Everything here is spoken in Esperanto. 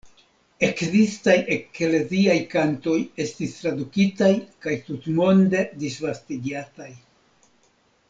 Ekzistaj ekleziaj kantoj estis tradukitaj kaj tutmonde disvastigataj.